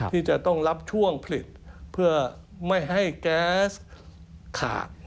ที่จะต้องรับช่วงผลิตเพื่อไม่ให้แก๊สขาด